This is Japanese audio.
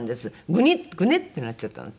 グニッグネってなっちゃったんですね。